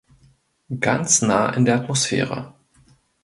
Ganz nah in der Atmosphäre.